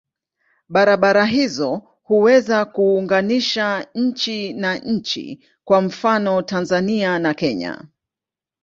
Barabara hizo huweza kuunganisha nchi na nchi, kwa mfano Tanzania na Kenya.